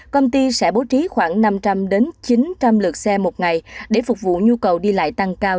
công ty sẽ bố trí khoảng năm trăm linh chín trăm linh lượt xe một ngày để phục vụ nhu cầu đi lại tăng cao